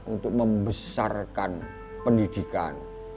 untuk membesarkan pendidikan